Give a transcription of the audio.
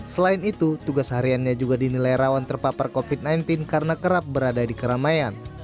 selain itu tugas hariannya juga dinilai rawan terpapar covid sembilan belas karena kerap berada di keramaian